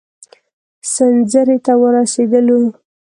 سنځري ته ورسېدلو.